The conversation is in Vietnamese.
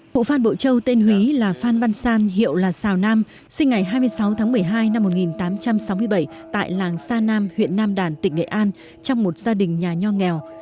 cụ phan bộ châu tên quý là phan văn san hiệu là xào nam sinh ngày hai mươi sáu tháng một mươi hai năm một nghìn tám trăm sáu mươi bảy tại làng sa nam huyện nam đàn tỉnh nghệ an trong một gia đình nhà nho nghèo